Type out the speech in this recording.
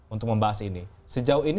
untuk membahas ini sejauh ini